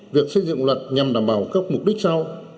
việc xây dựng luật nhằm đảm bảo các mục đích sau